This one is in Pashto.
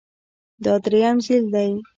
دا درېیم ځل دی